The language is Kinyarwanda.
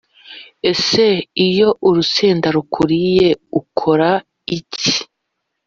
Ese iyo urusenda rukuriye ukora iki?